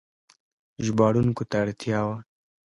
ژباړونکو ته اړتیا وه.